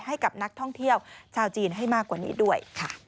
ให้กับนักท่องเที่ยวชาวจีนให้มากกว่านี้ด้วยค่ะ